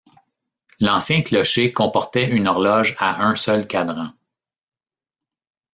L'ancien clocher comportait une horloge à un seul cadran.